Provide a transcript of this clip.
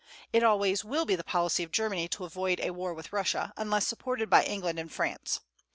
It always will be the policy of Germany to avoid a war with Russia, unless supported by England and France.